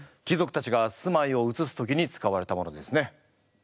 貴族たちが住まいをうつす時に使われたものですね。